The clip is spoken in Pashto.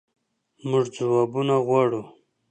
مونږ ځوابونه غواړو